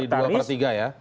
lebih dari dua per tiga ya